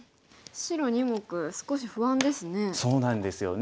白２目少し不安ですね。